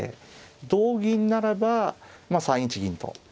同銀ならば３一銀と。